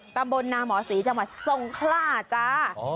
ตำบลนาหมอศรีจังหวัดทรงคล่าจ้า